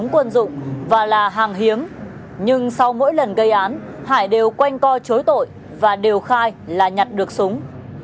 quanh co chối tội và đều khai là nhặt được súng